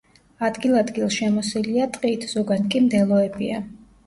ადგილ-ადგილ შემოსილია ტყით, ზოგან კი მდელოებია.